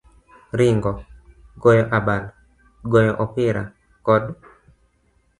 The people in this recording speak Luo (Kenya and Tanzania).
Ringo, goyo abal, goyo opira, kod